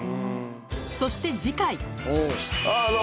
そして次回。